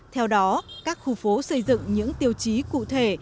theo đó các khu phố xây dựng những tiêu chí cụ thể